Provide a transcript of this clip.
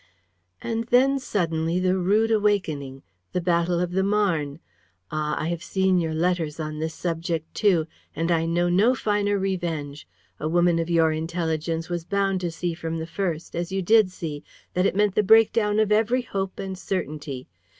... And then, suddenly, the rude awakening, the battle of the Marne! Ah, I have seen your letters on this subject, too! And I know no finer revenge. A woman of your intelligence was bound to see from the first, as you did see, that it meant the breakdown of every hope and certainty.